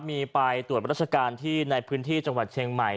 มีไปตรวจราชการที่ในพื้นที่จังหวัดเชียงใหม่